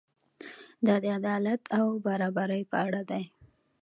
دا د عدالت او برابرۍ په اړه دی.